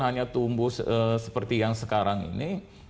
hanya tumbuh seperti yang sekarang ini